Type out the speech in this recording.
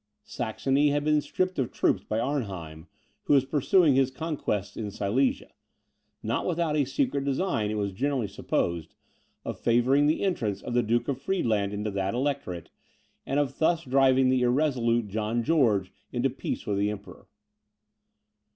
Saxony had been stripped of troops by Arnheim, who was pursuing his conquests in Silesia; not without a secret design, it was generally supposed, of favouring the entrance of the Duke of Friedland into that electorate, and of thus driving the irresolute John George into peace with the Emperor.